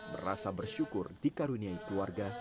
merasa bersyukur dikaruniai keluarga